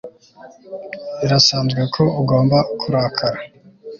Birasanzwe ko ugomba kurakara